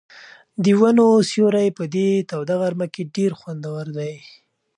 د ونو سیوری په دې توده غرمه کې ډېر خوندور دی.